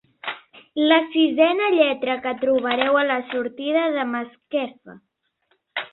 La sisena lletra que trobareu a la sortida de Masquefa.